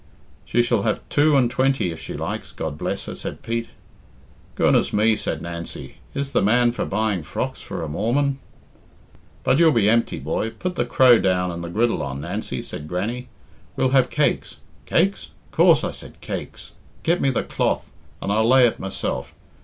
"She shall have two and twenty if she likes, God bless her," said Pete. "Goodness me!" said Nancy, "is the man for buying frocks for a Mormon?" "But you'll be empty, boy. Put the crow down and the griddle on, Nancy," said Grannie. "We'll have cakes. Cakes? Coorse I said cakes. Get me the cloth and I'll lay it myself.